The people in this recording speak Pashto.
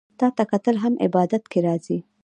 تاته کتل هم عبادت کی راځي